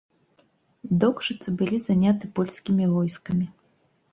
Докшыцы былі заняты польскімі войскамі.